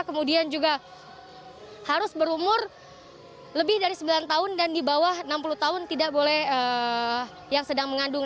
kemudian juga harus berumur lebih dari sembilan tahun dan di bawah enam puluh tahun tidak boleh yang sedang mengandung